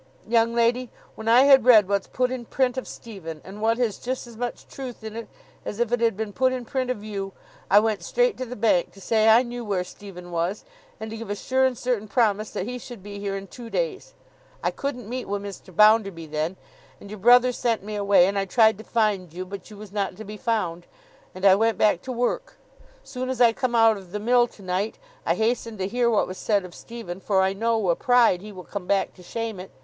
Young lady, when I had read what's put in print of Stephen—and what has just as much truth in it as if it had been put in print of you—I went straight to the Bank to say I knew where Stephen was, and to give a sure and certain promise that he should be here in two days. I couldn't meet wi' Mr. Bounderby then, and your brother sent me away, and I tried to find you, but you was not to be found, and I went back to work. Soon as I come out of the Mill to night, I hastened to hear what was said of Stephen—for I know wi' pride he will come back to shame it!